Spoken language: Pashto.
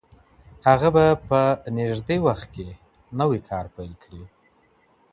هغه به په نژدې وخت کي نوی کار پیل کړي.